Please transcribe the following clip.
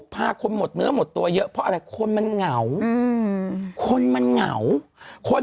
ใครบอกไปท่านาย